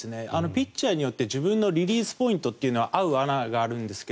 ピッチャーによって自分のリリースポイントっていうのは合う合わないがあるんですが